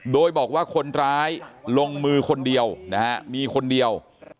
โดยบอกว่าคนร้ายลงมือคนเดียวนะฮะมีคนเดียว